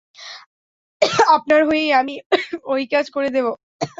আপনার হয়ে আমিই ওই কাজ করে দেবো।